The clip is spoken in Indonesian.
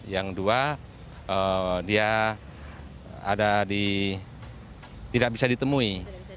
yang dua dia tidak bisa ditemui